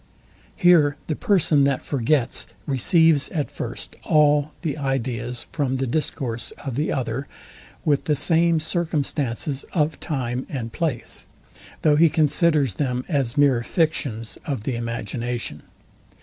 Here the person that forgets receives at first all the ideas from the discourse of the other, with the same circumstances of time and place; though he considers them as mere fictions of the imagination.